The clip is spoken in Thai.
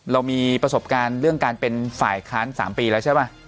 เรามีประสบการณ์เรื่องการเป็นฝ่ายค้าน๓ปีแล้วใช่ป่ะ